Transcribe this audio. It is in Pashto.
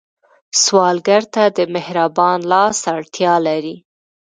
سوالګر ته د مهربان لاس اړتیا لري